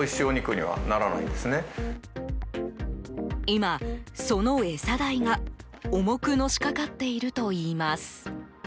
今、その餌代が重くのしかかっているといいます。